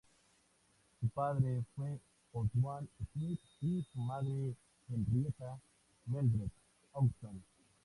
Su padre fue Oswald Smith y su madre Henrietta Mildred Hodgson.